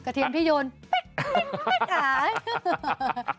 กระเทียมพี่โยนปิ๊กปิ๊กอ่ะ